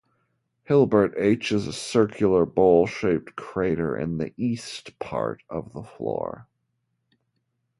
Hilbert H is a circular, bowl-shaped crater in the east part of the floor.